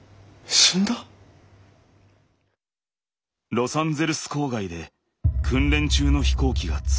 ☎ロサンゼルス郊外で訓練中の飛行機が墜落。